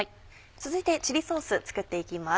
続いてチリソース作って行きます。